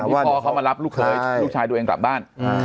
พ่อเขามารับลูกลูกชายตัวเองกลับบ้าน